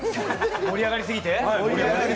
盛り上がりすぎて？